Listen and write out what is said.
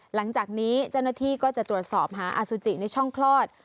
หลังจากนี้เจ้าหน้าที่ก็จะตรวจสอบหาอสุจิในช่องคลอด